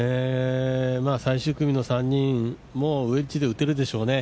最終組の３人もウェッジで打てるでしょうね。